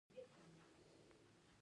هیلمټ ولې په سر کړو؟